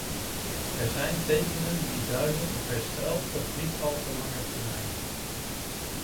Er zijn tekenen die duiden op herstel op niet al te lange termijn.